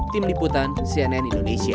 tim liputan cnn indonesia